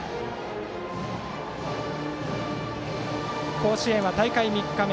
甲子園は大会３日目。